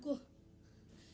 aku sudah selesai